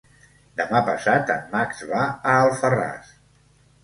Demà passat en Max va a Alfarràs.